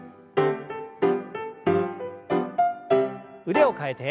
腕を替えて。